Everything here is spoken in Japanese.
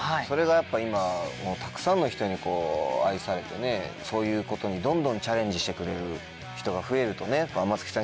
それがやっぱ今たくさんの人に愛されてそういうことにどんどんチャレンジしてくれる人が増えるとね。